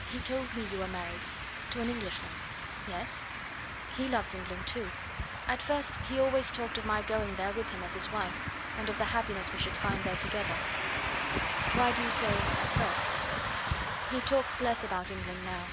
"He told me you were married to an Englishman." "Yes?" "He loves England too. At first he always talked of my going there with him as his wife, and of the happiness we should find there together." "Why do you say 'at first'?" "He talks less about England now."